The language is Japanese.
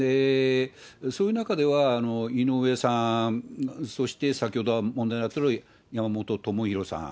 そういう中では井上さん、そして先ほど問題になってる山本朋広さん、